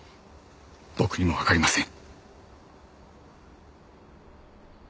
僕にもわかりません。